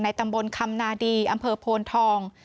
ตำบลคำนาดีอำเภอโพนทอง